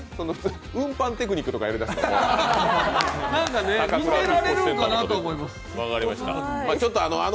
運搬テクニックとかやりだすの？